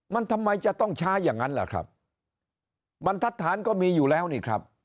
มันทำไมจะต้องช้าอย่างนั้นล่ะครับบรรทัศน์ก็มีอยู่แล้วนี่ครับ